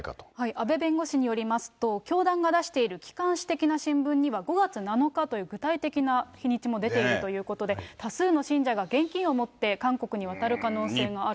阿部弁護士によりますと、教団が出している機関紙的な新聞には、５月７日という具体的な日にちも出ているということで、多数の信者が現金を持って韓国に渡る可能性があると。